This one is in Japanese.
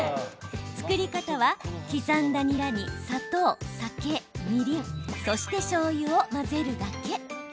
作り方は刻んだニラに砂糖、みりん、しょうゆ、酒を混ぜるだけ。